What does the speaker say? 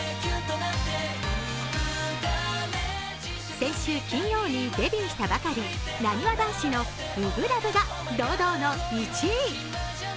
先週金曜にデビューしたばかりなにわ男子の「初心ＬＯＶＥ」が堂々の１位。